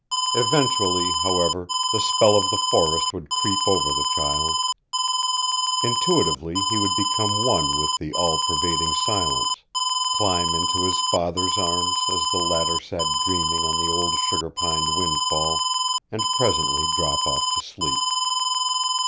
Eventually, however, the spell of the forest would creep over the child; intuitively he would become one with the all pervading silence, climb into his father's arms as the latter sat dreaming on the old sugar pine windfall, and presently drop off to sleep.